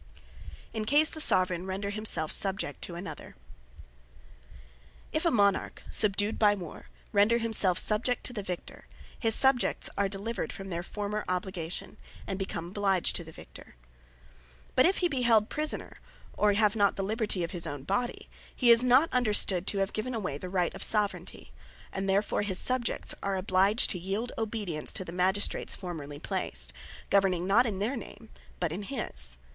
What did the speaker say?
In Case The Soveraign Render Himself Subject To Another If a Monarch subdued by war, render himself Subject to the Victor; his Subjects are delivered from their former obligation, and become obliged to the Victor. But if he be held prisoner, or have not the liberty of his own Body; he is not understood to have given away the Right of Soveraigntie; and therefore his Subjects are obliged to yield obedience to the Magistrates formerly placed, governing not in their own name, but in his.